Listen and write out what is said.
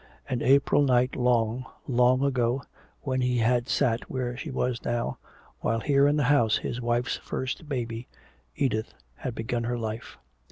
An April night long, long ago, when he had sat where she was now, while here in the house his wife's first baby, Edith, had begun her life....